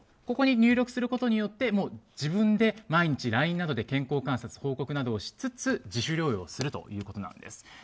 ここに入力することによって自分で毎日ＬＩＮＥなどで健康観察報告などをしつつ自主療養をするということなんです。